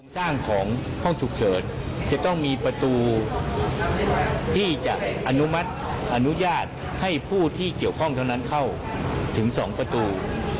ของห้องฉุกเฉินจะต้องมีประตูที่จะอนุมัติอนุญาตให้ผู้ที่เกี่ยวข้องเท่านั้นเข้าถึง๒ประตู